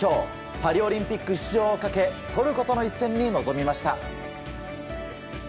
パリオリンピック出場をかけトルコとの一戦に臨みました。